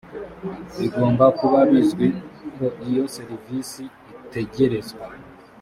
bigomba kuba bizwi ko iyo serivisi itegerezwa